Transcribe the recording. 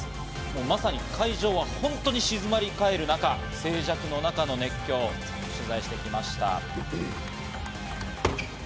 まさに会場は本当に静まり返る中、静寂の中の熱狂を取材してきました。